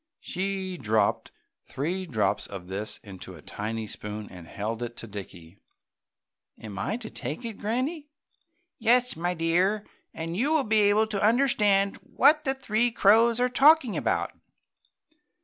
She dropped three drops of this into a tiny spoon and held it to Dickie. "Am I to take it, Granny?" "Yes, my dear, and you will be able to understand what the three crows are talking about."